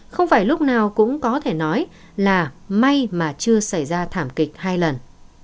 không phải lúc nào cũng có thể nói là may mà chưa xảy ra thảm kịch hai lần